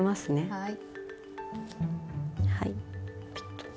はい。